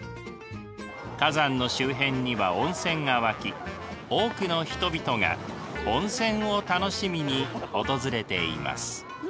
火山の周辺には温泉が湧き多くの人々が温泉を楽しみに訪れています。